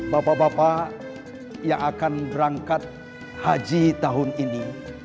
bapak bapak yang akan berangkat haji tahun ini